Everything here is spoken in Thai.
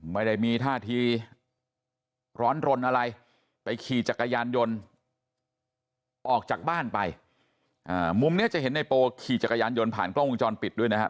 ไม่ได้มีท่าทีร้อนรนอะไรไปขี่จักรยานยนต์ออกจากบ้านไปมุมนี้จะเห็นในโปขี่จักรยานยนต์ผ่านกล้องวงจรปิดด้วยนะฮะ